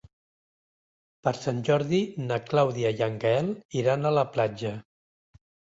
Per Sant Jordi na Clàudia i en Gaël iran a la platja.